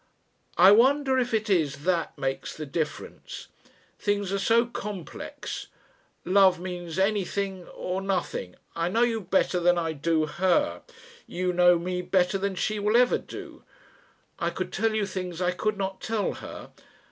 "I wonder if it is that makes the difference. Things are so complex. Love means anything or nothing. I know you better than I do her, you know me better than she will ever do. I could tell you things I could not tell her.